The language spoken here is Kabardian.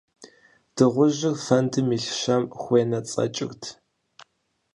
Дыгъужьыр фэндым илъ щэм хуенэцӀэкӀырт.